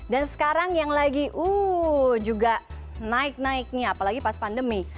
dan sekarang yang lagi uuu juga naik naiknya apalagi pas pandemi